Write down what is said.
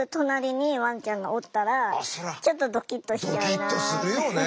ドキッとするよね。